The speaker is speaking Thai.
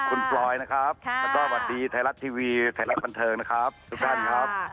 ปุ่มสอบเป็นอย่างไรบ้าง